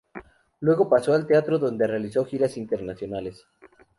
Luego pasó al teatro donde realizó giras internacionales.